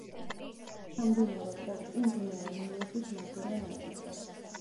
სამდინარო პორტი მდინარე ნილოსის მარჯვენა ნაპირზე.